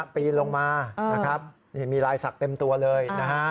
ปีนลงมามีลายศักดิ์เต็มตัวเลย